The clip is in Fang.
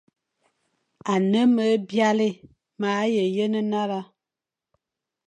Ane me byalé, ma he yen nale,